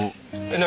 何？